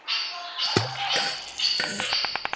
ښه کلمه تر ټولو لوی انعام دی.